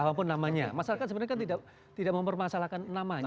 apapun namanya masyarakat sebenarnya kan tidak mempermasalahkan namanya